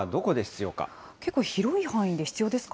結構広い範囲で必要ですか？